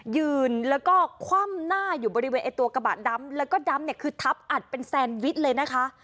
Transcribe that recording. ยืนแล้วก็คว่ำหน้าอยู่บริเวณไอ้ตัวกระบะดำแล้วก็ดำเนี่ยคือทับอัดเป็นแซนวิชเลยนะคะ